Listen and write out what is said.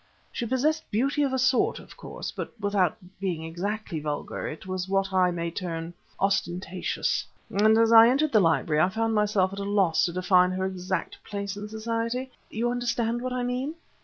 She possessed beauty of a sort, of course, but without being exactly vulgar, it was what I may term ostentatious; and as I entered the library I found myself at a loss to define her exact place in society you understand what I mean?"